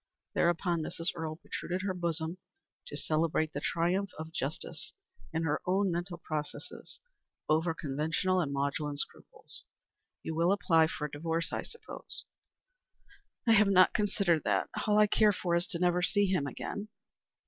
Thereupon Mrs. Earle protruded her bosom to celebrate the triumph of justice in her own mental processes over conventional and maudlin scruples. "You will apply for a divorce, I suppose?" "I have not considered that. All I care for is never to see him again."